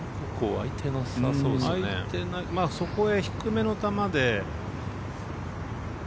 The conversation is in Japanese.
そこへ低めの球で。